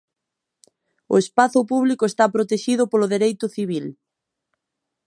O espazo público está protexido polo dereito civil.